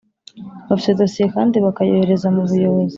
bafite dosiye kandi bakayohereza mu buyobozi